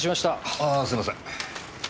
ああすいません。